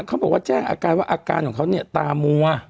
อาการของเขาเนี่ยตามัว